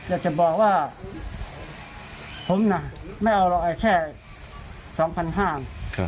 อยากจะบอกว่าผมน่ะไม่เอาหรอกแค่๒๕๐๐บาท